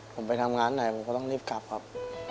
ผมไปทำงานไหนผมก็ต้องรีบกลับครับ